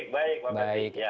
baik baik pak fikar